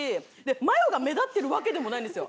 マヨが目立ってるわけでもないんですよ